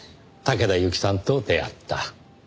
竹田ユキさんと出会った。